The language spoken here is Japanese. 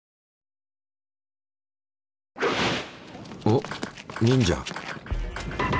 おっ忍者。